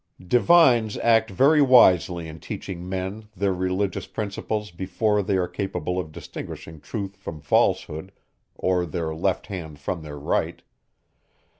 Divines act very wisely in teaching men their religious principles before they are capable of distinguishing truth from falsehood, or their left hand from their right.